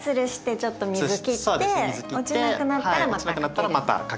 でつるしてちょっと水切って落ちなくなったらまた掛ける。